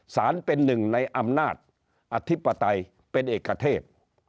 สารเป็นหนึ่งในอำนาจอธิปไตยเป็นเอกเทศ